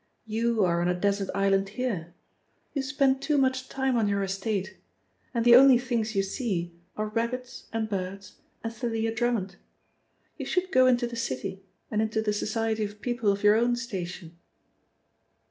You are on a desert island here you spend too much time on your estate, and the only things you see are rabbits and birds and Thalia Drummond. You should go into the city and into the society of people of your own station."